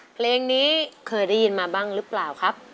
เพลงนี้เคยได้ยินมาบ้างหรือเปล่าครับ